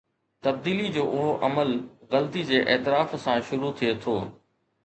تبديلي جو اهو عمل غلطي جي اعتراف سان شروع ٿئي ٿو.